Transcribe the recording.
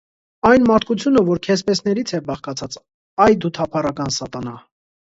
այն մարդկությունը, որ քեզպեսներից է բաղկացած, այ դու թափառական սատանա…